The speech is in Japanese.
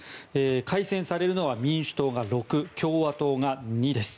改選されるのは民主党が６、共和党が２です。